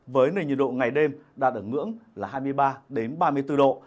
với nền nhiệt độ ngày đêm đạt ở ngưỡng là hai mươi ba ba mươi bốn độ